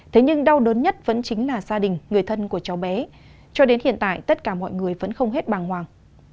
thế nhưng đau đớn nhất vẫn chính là gia đình người thân của cháu bé cho đến hiện tại tất cả mọi người vẫn không hết bàng hoàng